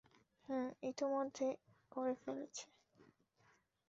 হুম, তুমি ইতিমধ্যে করে ফেলেছো।